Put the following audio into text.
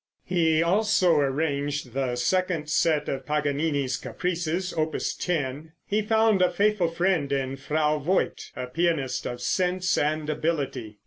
He also arranged the second set of Paganini's caprices, Opus 10. He found a faithful friend in Frau Voigt, a pianist of sense and ability.